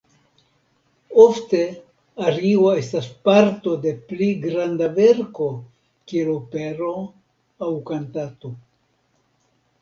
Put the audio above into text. Ofte ario estas parto de pli granda verko kiel opero aŭ kantato.